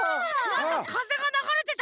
なんかかぜがながれてた。